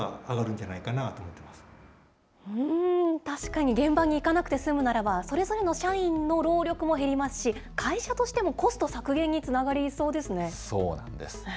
確かに、現場に行かなくて済むならば、それぞれの社員の労力も減りますし、会社としてもコスト削減につそうなんです。